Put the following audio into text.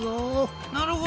なるほど。